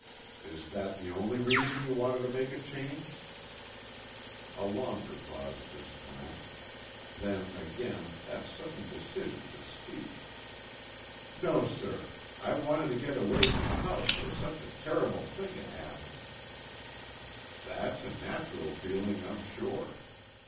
Is that the only reason you wanted to make a change?" A longer pause this time. Then, again, that sudden decision to speak. "No, sir. I wanted to get away from a house where such a terrible thing had happened." "That's a natural feeling, I'm sure.